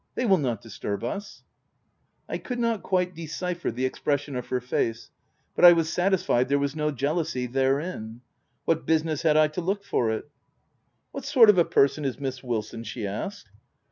They will not disturb us/' I could not quite decipher the expression of her face ; but I was satisfied there was no jea lousy therein. What business had 1 to look for it ?" What sort of a person is Miss Wilson ?" she asked.